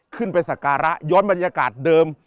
ขึ้นไปสการะย้อนบรรยากาศเดิม